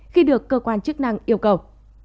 khi được cơ quan chức năng yêu cầu